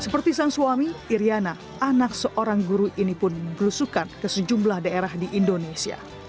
seperti sang suami iryana anak seorang guru ini pun berusukan ke sejumlah daerah di indonesia